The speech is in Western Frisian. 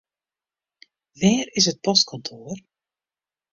Wêr is it postkantoar?